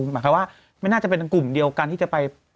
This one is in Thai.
หมายความว่าไม่น่าจะเป็นกลุ่มเดียวกันที่จะไป